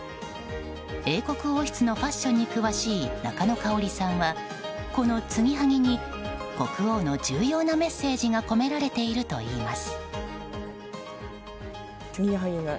英国王室のファッションに詳しい中野香織さんはこのつぎはぎに国王の重要なメッセージが込められているといいます。